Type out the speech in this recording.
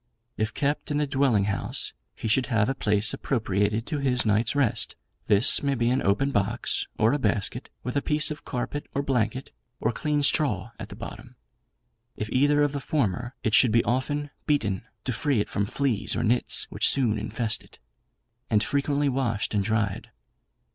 If kept in the dwelling house he should have a place appropriated to his night's rest; this may be an open box, or a basket, with a piece of carpet or blanket, or clean straw at the bottom: if either of the former it should be often beaten, to free it from fleas or nits, which soon infest it, and frequently washed and dried.